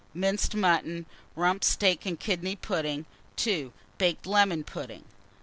Minced mutton, Rump steak and kidney pudding. 2. Baked lemon pudding.